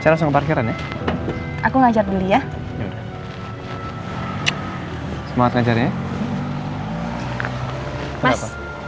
cara sempat keren ya aku ngajak beli ya semangat aja deh mas